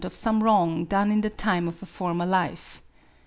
of. some wrong done, ia the .time^ ^ a fnrmpr lifp.